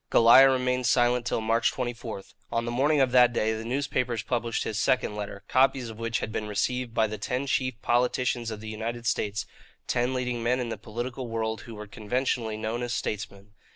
Goliah remained silent till March 24. On the morning of that day, the newspapers published his second letter, copies of which had been received by the ten chief politicians of the United States ten leading men in the political world who were conventionally known as "statesmen."